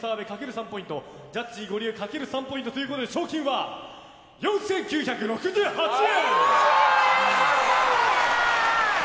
３ポイントジャッジゴリエかける３ポイントということで賞金は４９６８円！